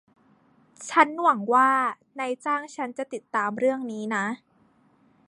ฉันหวงัว่านายจ้างฉันจะติดตามเรื่องนี้นะ